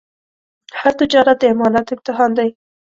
هر تجارت د امانت امتحان دی.